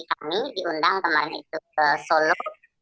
kami diundang kemarin itu ke solo